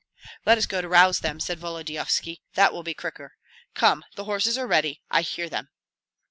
"Let us go to rouse them," said Volodyovski; "that will be quicker! Come; the horses are ready, I hear them."